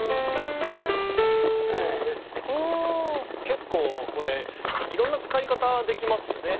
結構これいろんな使い方できますよね。